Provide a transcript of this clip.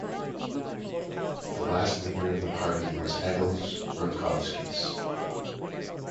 The last leader of the party was Egils Rutkovskis.